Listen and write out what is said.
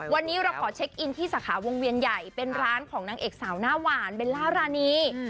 วันนี้เราขอเช็คอินที่สาขาวงเวียนใหญ่เป็นร้านของนางเอกสาวหน้าหวานเบลล่ารานี